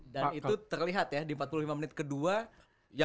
dan itu terlihat ya di empat puluh lima menit kedua